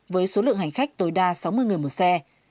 với số lượng hành khách tối đa sáu mươi người một xe